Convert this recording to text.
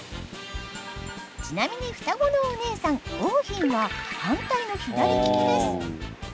ちなみに双子のお姉さん桜浜は反対の左利きです。